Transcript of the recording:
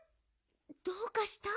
どうかした？